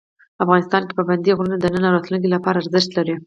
افغانستان کې پابندی غرونه د نن او راتلونکي لپاره ارزښت لري.